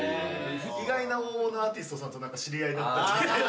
意外な大物アーティストさんと何か知り合いだったり。